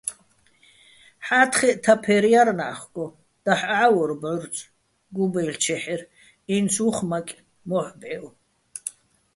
ჰ̦ა́თხეჸ თაფერ ჲარ ნა́ხგო, დაჰ̦ ჺა́ვორ ბჵორწ გუბა́́ჲლ'ჩეჰ̦ერ, ინც უ̂ხ მაკე̆, მო́ჰ̦ ბჵე́ვო̆.